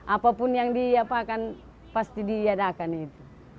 apapun yang diapakan pasti diadakan itu